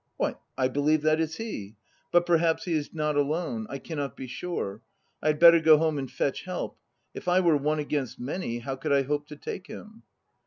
Why, I believe that is he! But perhaps he is not alone. I cannot be sure. I had better go home and fetch help, for if I were one against many, how could I hope to take him?